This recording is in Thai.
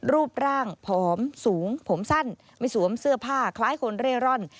รูปร่างผอมสูงผมสั้นไม่สวมเสื้อผ้าคล้ายคนเร่ร่อน